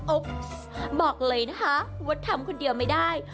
บอกเลยนะคะว่าทำคนเดียวไม่ได้